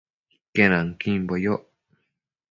Iquenuanquimbue yoc